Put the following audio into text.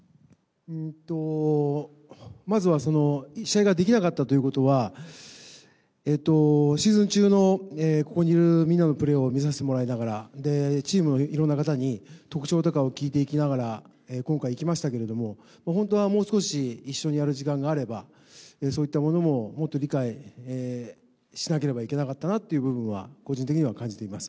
まずは、試合ができなかったということは、シーズン中のここにいるみんなのプレーを見させてもらいながら、チームのいろんな方に、特徴とかを聞いていきながら、今回行きましたけれども、本当はもう少し一緒にやる時間があれば、そういったものももっと理解しなければいけなかったなっていう部分は個人的には感じています。